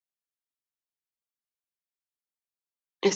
Está basado en un esqueleto fragmentario y muestra relación con "Megalosaurus".